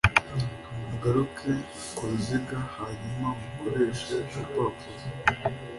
mugaruke ku ruziga hanyuma mukoreshe urupapuro